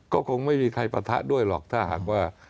ก็คงไม่มีใครปะทะด้วยหรอกถ้าหากว่า